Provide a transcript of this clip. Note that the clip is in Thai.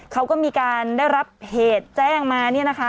เขาก็มีการได้รับเหตุแจ้งมาเนี่ยนะคะ